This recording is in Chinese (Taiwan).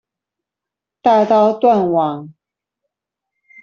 大刀斷網！